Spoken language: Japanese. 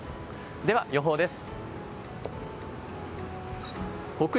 では、予報です。